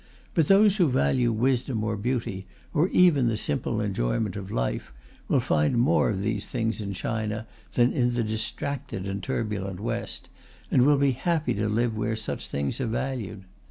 But those who value wisdom or beauty, or even the simple enjoyment of life, will find more of these things in China than in the distracted and turbulent West, and will be happy to live where such things are valued.